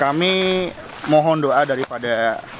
kami mohon doa daripada